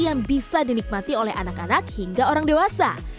yang bisa dinikmati oleh anak anak hingga orang dewasa